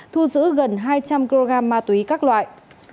thu giữ gần hai trăm linh kg ma túy các loại